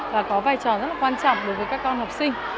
và có vai trò rất là quan trọng đối với các con học sinh